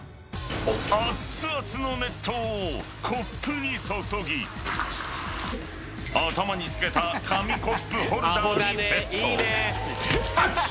［あっつあつの熱湯をコップに注ぎ頭につけた紙コップホルダーにセット］